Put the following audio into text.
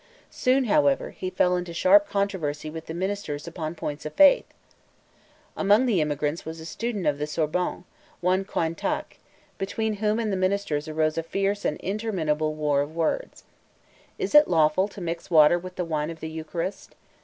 Soon, however, he fell into sharp controversy with the ministers upon points of faith. Among the emigrants was a student of the Sorbonne, one Cointac, between whom and the ministers arose a fierce and unintermitted war of words. Is it lawful to mix water with the wine of the Eucharist?